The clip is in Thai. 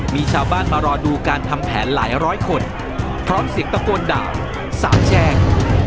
มีชาวบ้านมารอดูการทำแผนหลายร้อยคนพร้อมเสียงตะโกนด่าสาบแช่ง